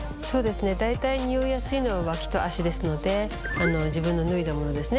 大体ニオイやすいのは脇と足ですので自分の脱いだものですね